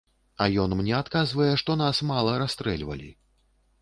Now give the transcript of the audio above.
А ён мне адказвае, што нас мала расстрэльвалі.